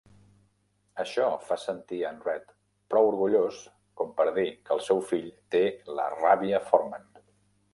Això fa sentir en Red prou orgullós com per dir que el seu fill té la "ràbia Forman".